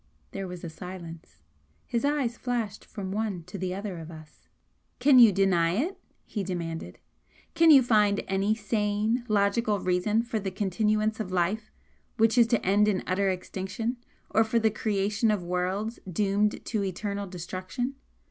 There was a silence. His eyes flashed from one to the other of us. "Can you deny it?" he demanded. "Can you find any sane, logical reason for the continuance of life which is to end in utter extinction, or for the creation of worlds doomed to eternal destruction?"